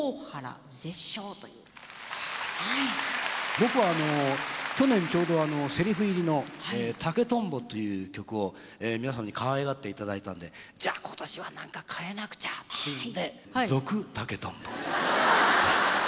僕はあの去年ちょうどせりふ入りの「竹とんぼ」という曲を皆様にかわいがっていただいたんでじゃあ今年は何か変えなくちゃというんで「続・竹とんぼ」。